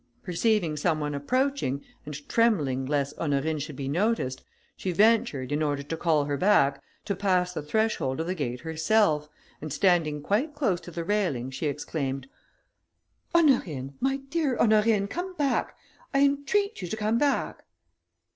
Perceiving some one approaching, and trembling lest Honorine should be noticed, she ventured, in order to call her back, to pass the threshold of the gate herself, and standing quite close to the railing, she exclaimed, "Honorine, my dear Honorine, come back! I entreat you to come back."